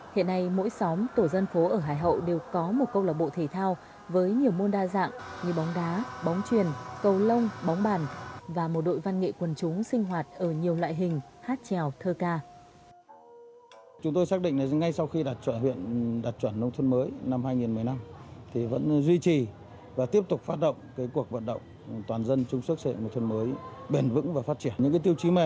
hiện nay mỗi xóm tổ dân phố ở hải hậu đều có một câu lạc bộ thể thao với nhiều môn đa dạng như bóng đá bóng truyền cầu lông bóng bàn và một đội văn nghệ quần chúng sinh hoạt ở nhiều loại hình hát trèo thơ ca